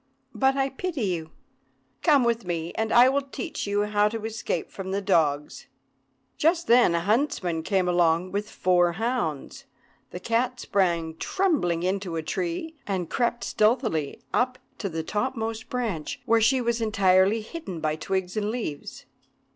But I pity you. Come with me, and I will teach you how to escape from the dogs." Just then a huntsman came along with four hounds. The cat sprang trembling into a tree, and crept stealthily up to the topmost branch, where she was entirely hidden by twigs and leaves.